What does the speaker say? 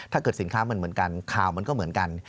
สินค้ามันเหมือนกันข่าวมันก็เหมือนกัน